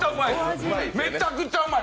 めちゃくちゃうまい。